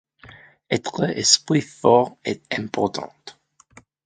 Être esprit fort est important.